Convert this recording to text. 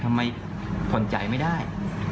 ทำไมผ่อนจ่ายไม่ได้